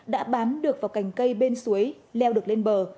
đã bám được vào cành cây bên suối leo được lên bờ